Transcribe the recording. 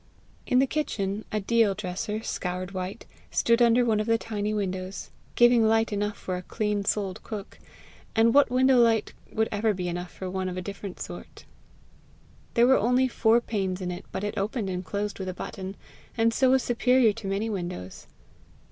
In the kitchen a deal dresser, scoured white, stood under one of the tiny windows, giving light enough for a clean souled cook and what window light would ever be enough for one of a different sort? There were only four panes in it, but it opened and closed with a button, and so was superior to many windows.